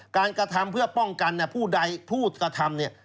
กระทำเพื่อป้องกันผู้ใดผู้กระทำเนี่ย